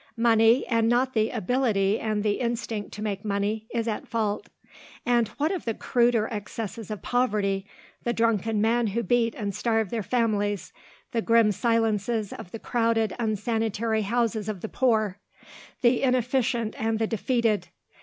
Money, and not the ability and the instinct to make money, is at fault. And what of the cruder excesses of poverty, the drunken men who beat and starve their families, the grim silences of the crowded, unsanitary houses of the poor, the inefficient, and the defeated?